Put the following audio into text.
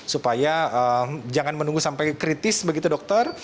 supaya jangan menunggu sampai kritis begitu dokter